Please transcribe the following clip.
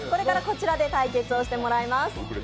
これからこちらで対決をしていただきます。